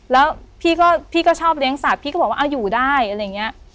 แล้วพี่ก็พี่ก็ชอบเลี้ยงสัตว์พี่ก็บอกว่าเอาอยู่ได้อะไรอย่างนี้